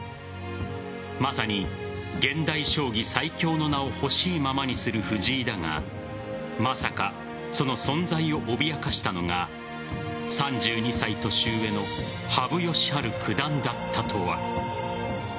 まさに現代将棋最強の名をほしいままにする藤井だがまさかその存在を脅かしたのが３２歳年上の羽生善治九段だったとは。